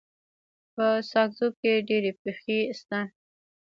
په ساکزو کي ډيري پښي سته.